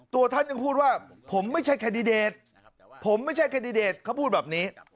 ตัวท่านยังพูดว่าผมไม่ใช่แคนดิเดตผมไม่ใช่แคนดิเดตเขาพูดแบบนี้